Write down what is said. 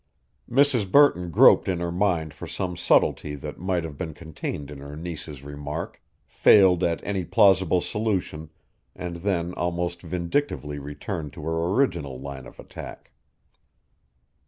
Mrs. Burton groped in her mind for some subtlety that might have been contained in her niece's remark, failed at any plausible solution and then almost vindictively returned to her original line of attack.